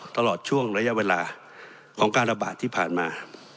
ตลอดช่วงระยะเวลาของการระบาดที่ผ่านมา